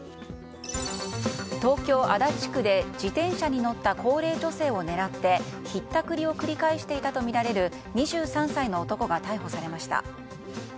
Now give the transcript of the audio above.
東京・足立区で自転車に乗った高齢女性を狙ってひったくりを繰り返していたとみられる２３歳の男が逮捕されました。